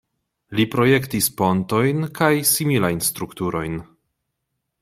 Li projektis pontojn kaj similajn strukturojn.